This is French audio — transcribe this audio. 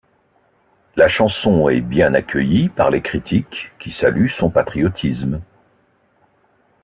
La chanson est bien accueillie par les critiques qui saluent son patriotisme.